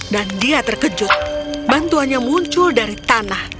dan dia terkejut bantuannya muncul dari tanah